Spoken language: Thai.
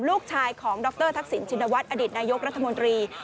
ลูกชายของดรทักษิณชินวัฒน์อดีตนายกรัฐมนตรี